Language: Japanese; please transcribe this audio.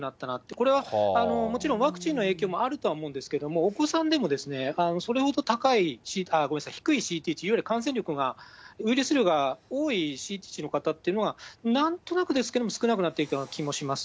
これはもちろん、ワクチンの影響もあるとは思うんですけれども、お子さんでも、それほど低いＣＴ値、いわゆる感染力が、ウイルス量が多いＣＴ値の方っていうのは、なんとなくですけども、少なくなっていた気もします。